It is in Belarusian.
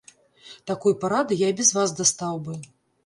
Такой парады я і без вас дастаў бы.